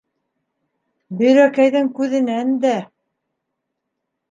Бөйрәкәйҙең күҙенән дә